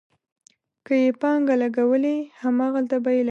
که یې پانګه لګولې، هماغلته به یې لګولې وي.